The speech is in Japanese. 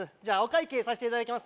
お会計させていただきます